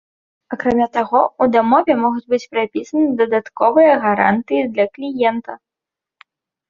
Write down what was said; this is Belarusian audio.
Акрамя таго, у дамове могуць быць прапісаны дадатковыя гарантыі для кліента.